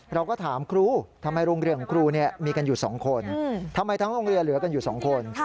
เราก็ถามครูทำไมโรงเรียนของครูมีกันอยู่๒คนทำไมทั้งโรงเรียนเหลือกันอยู่๒คน